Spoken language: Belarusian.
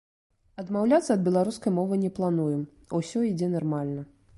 Адмаўляцца ад беларускай мовы не плануем, усё ідзе нармальна.